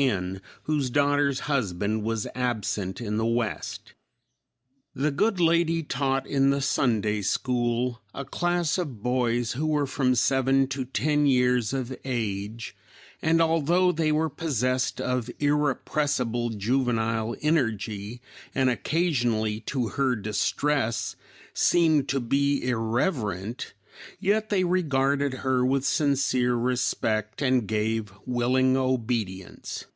N , whose daughter's husband was absent in the West. The good lady taught in the Sunday school a class of boys who were from seven to ten years of age, and although they were possessed of irrepressible juvenile energy, and occasionally, to her distress, seemed to be irreverent; yet they regarded her with sincere respect and gave willing obedience.